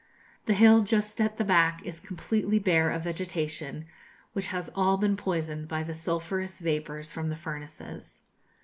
The hill just at the back is completely bare of vegetation, which has all been poisoned by the sulphurous vapours from the furnaces.